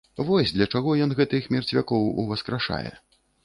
Вось для чаго ён гэтых мерцвякоў уваскрашае.